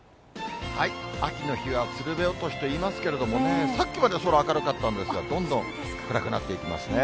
秋の日はつるべ落としといいますけどね、さっきまで空明るかったんですが、どんどん暗くなっていきますね。